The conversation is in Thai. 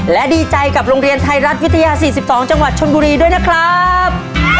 และดีใจกับโรงเรียนไทยรัฐวิทยา๔๒จังหวัดชนบุรีด้วยนะครับ